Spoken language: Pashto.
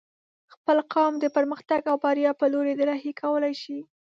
خپل قوم د پرمختګ او بريا په لوري رهي کولی شې